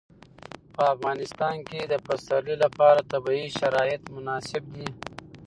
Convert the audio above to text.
په افغانستان کې د پسرلی لپاره طبیعي شرایط مناسب دي.